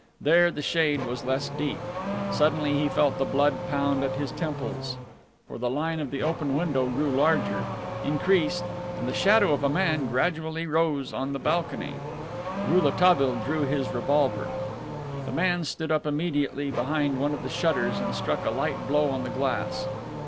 There the shade was less deep. Suddenly he felt the blood pound at his temples, for the line of the open window grew larger, increased, and the shadow of a man gradually rose on the balcony. Rouletabille drew his revolver. The man stood up immediately behind one of the shutters and struck a light blow on the glass.